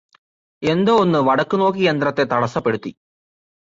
എന്തോ ഒന്ന് വടക്കുനോക്കിയന്ത്രത്തെ തടസ്സപ്പെടുത്തി